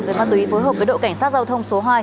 về ma túy phối hợp với đội cảnh sát giao thông số hai